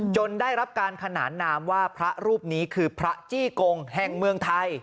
ได้รับการขนานนามว่าพระรูปนี้คือพระจี้กงแห่งเมืองไทย